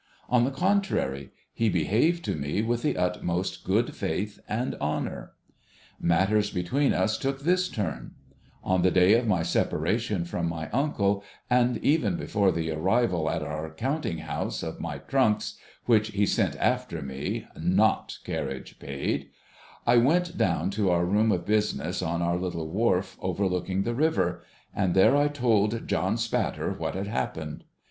On the contrary, he behaved to me with the utmost good faith and honour. Matters between us took this turn :— On the day of my separation from my uncle, and even before the arrival at our counting house of my trunks (which he sent after me, not carriage paid), I went down to our room of business, on our little wharf, overlooking the river ; and there I told John Spatter what had happened.